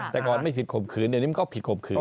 แต่ก่อนไม่ผิดข่มขืนเดี๋ยวนี้มันก็ผิดข่มขืน